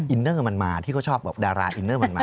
เนอร์มันมาที่เขาชอบแบบดาราอินเนอร์มันมา